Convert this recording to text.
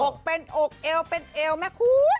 อกเป็นอกเอลเป็นเอลแม่คุ้น